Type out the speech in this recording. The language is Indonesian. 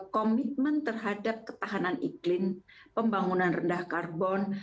komitmen terhadap ketahanan iklim pembangunan rendah karbon